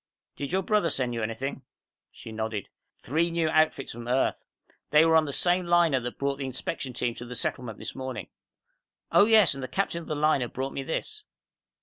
"Did your brother send you anything?" She nodded. "Three new outfits from Earth. They were on the same liner that brought the inspection team to the Settlement this morning. Oh, yes, and the captain of the liner brought me this."